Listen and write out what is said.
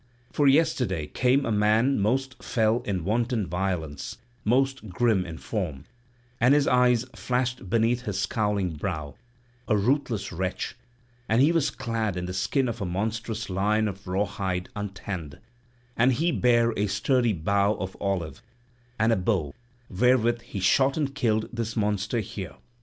For yesterday came a man most fell in wanton violence, most grim in form; and his eyes flashed beneath his scowling brow; a ruthless wretch; and he was clad in the skin of a monstrous lion of raw hide, untanned; and he bare a sturdy bow of olive, and a bow, wherewith he shot and killed this monster here.